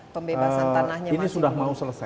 pembebasan tanahnya masih belum